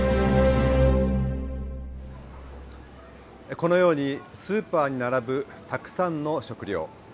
このようにスーパーに並ぶたくさんの食料。